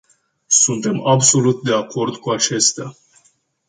Suntem absolut de acord cu acestea.